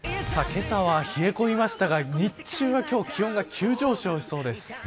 けさは冷え込みましたが日中は今日気温が急上昇しそうです。